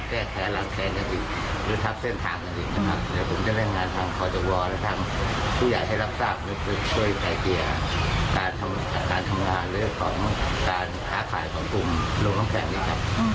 ของกลุ่มโรงน้ำแข็งนี้ค่ะ